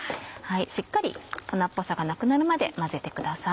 しっかり粉っぽさがなくなるまで混ぜてください。